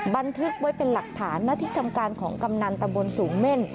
บันทึกไว้เป็นหลักฐานณที่ทำการของกำนันตำบลสูงเม่น